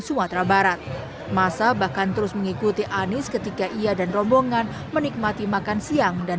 sumatera barat masa bahkan terus mengikuti anies ketika ia dan rombongan menikmati makan siang dan